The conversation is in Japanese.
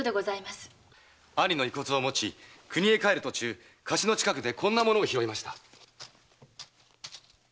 兄の遺骨を持ち故郷へ帰る途中河岸の近くでこんな物を拾いました。